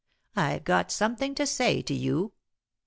I've got something to say to you!"